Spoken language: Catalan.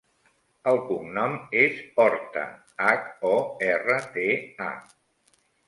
El cognom és Horta: hac, o, erra, te, a.